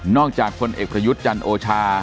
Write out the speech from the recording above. จากพลเอกประยุทธ์จันโอชา